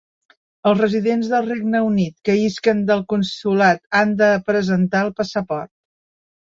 Els residents del Regne Unit que isquen del Consolat han de presentar el passaport.